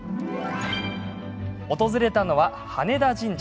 訪れたのは、羽田神社。